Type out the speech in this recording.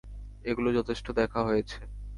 এগুলো যথেষ্ট দেখা হয়েছে।